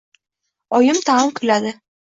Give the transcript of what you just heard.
Oyim tag‘in kuladi.